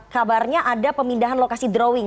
kabarnya ada pemindahan lokasi drawing